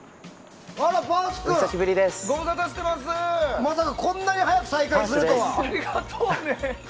まさかこんなに早く再会するとは。